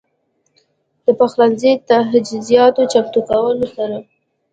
د پخلنځي تجهيزاتو چمتو کولو سره